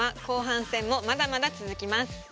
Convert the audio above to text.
後半戦もまだまだ続きます。